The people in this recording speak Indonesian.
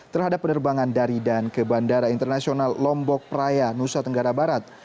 terhadap penerbangan dari dan ke bandara internasional lombok praia nusa tenggara barat